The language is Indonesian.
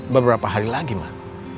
beberapa hari lagi mak